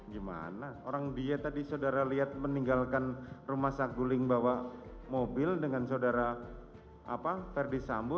gimana orang dia tadi saudara lihat meninggalkan rumah saguling bawa mobil dengan saudara verdi sambo